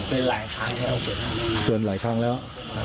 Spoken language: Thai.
เจอมาไปหลายทางแล้ว